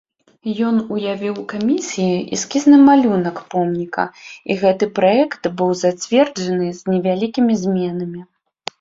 Ён уявіў камісіі эскізны малюнак помніка, і гэты праект быў зацверджаны з невялікімі зменамі.